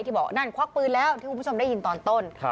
บอกนั่นควักปืนแล้วที่คุณผู้ชมได้ยินตอนต้น